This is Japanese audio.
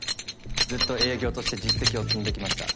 ずっと営業として実績を積んできました。